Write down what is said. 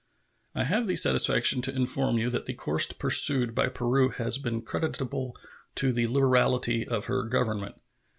I have the satisfaction to inform you that the course pursued by Peru has been creditable to the liberality of her Government.